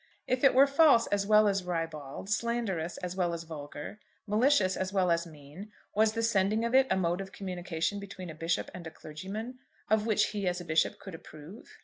If it were false as well as ribald, slanderous as well as vulgar, malicious as well as mean, was the sending of it a mode of communication between a bishop and a clergyman of which he as a bishop could approve?